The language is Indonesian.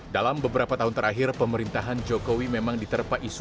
dalam beberapa tahun terakhir pemerintahan jokowi memang diterpa isu